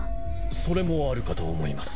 それもあるかと思います。